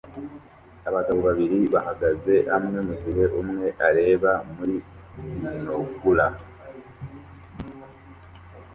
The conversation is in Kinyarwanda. Abagabo babiri bahagaze hamwe mugihe umwe areba muri binokula